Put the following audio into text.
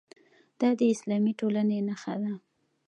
دا د اسلامي ټولنې نښه ده.